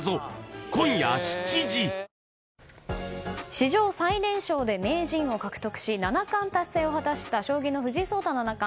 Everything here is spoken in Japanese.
史上最年少で名人を獲得し七冠達成を果たした将棋の藤井聡太七冠。